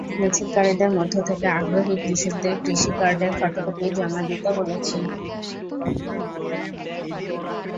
মিছিলকারীদের মধ্য থেকে আগ্রহী কৃষকদের কৃষি কার্ডের ফটোকপি জমা দিতে বলেছি।